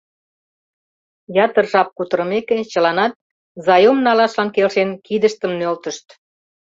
Ятыр жап кутырымеке, чыланат, заём налашлан келшен, кидыштым нӧлтышт.